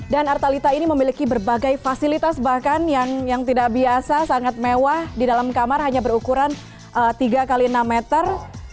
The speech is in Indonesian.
dan artalita ini memiliki berbagai fasilitas bahkan yang tidak biasa sangat mewah di dalam kamar hanya berukuran tiga x enam meter